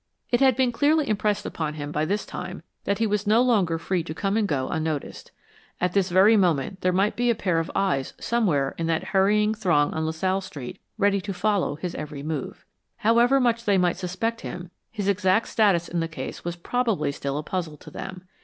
It had been clearly impressed upon him by this time that he was no longer free to come and go unnoticed. At this very moment there might be a pair of eyes somewhere in that hurrying throng on La Salle Street ready to follow his every move. However much they might suspect him, his exact status in the case was probably still a puzzle to them.